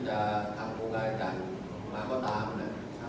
การทำโครงการในการมาข้อตามจะเป็นยังไง